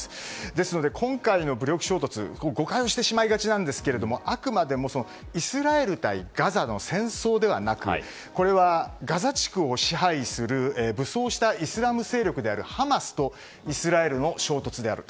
ですので、今回の武力衝突誤解してしまいがちですがあくまでもイスラエル対ガザの戦争ではなくガザ地区を支配する武装したイスラム勢力であるハマスとイスラエルの衝突である。